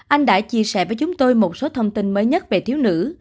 anh đã chia sẻ với chúng tôi một số thông tin mới nhất về thiếu nữ